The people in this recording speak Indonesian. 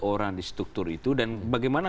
orang di struktur itu dan bagaimana